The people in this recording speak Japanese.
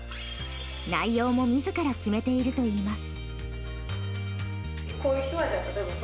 内容も自ら決めているといいます。